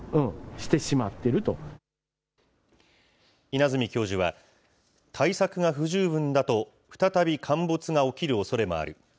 稲積教授は、対策が不十分だと再び陥没が起きるおそれもある。